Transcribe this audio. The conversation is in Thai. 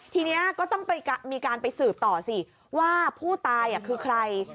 ทีนี้ก็ต้องมีการไปสืบต่อสิว่าผู้ตายคือใคร